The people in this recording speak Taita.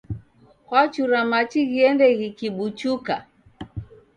Kwachura machi ghiende ghikibuchuka?